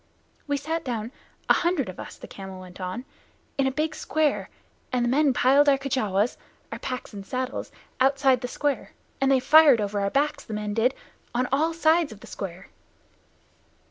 "We sat down a hundred of us," the camel went on, "in a big square, and the men piled our packs and saddles, outside the square, and they fired over our backs, the men did, on all sides of the square."